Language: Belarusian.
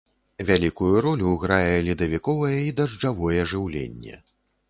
Вялікую ролю грае ледавіковае і дажджавое жыўленне.